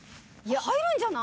入るんじゃない！？